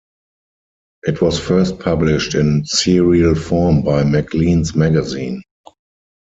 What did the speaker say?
It was first published in serial form by "Maclean's" magazine.